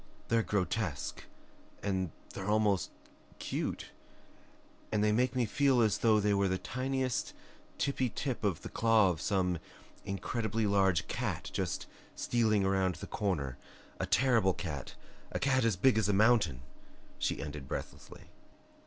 "They're grotesque and they're almost CUTE, and they make me feel as though they were the tiniest tippy tip of the claw of some incredibly large cat just stealing around the corner, a terrible cat, a cat as big as a mountain," she ended breathlessly.